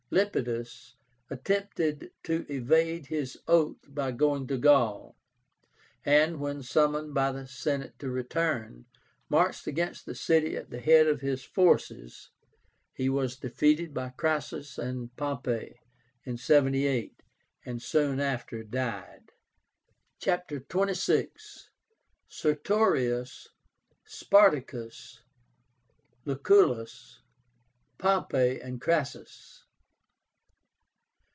Lepidus attempted to evade his oath by going to Gaul, and, when summoned by the Senate to return, marched against the city at the head of his forces. He was defeated by Crassus and Pompey in 78, and soon after died. CHAPTER XXVI. SERTORIUS. SPARTACUS. LUCULLUS. POMPEY AND CRASSUS.